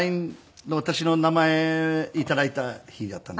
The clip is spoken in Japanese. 私の名前頂いた日だったんです。